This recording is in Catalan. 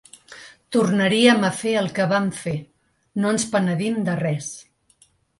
Tornaríem a fer el que vam fer, no ens penedim de res.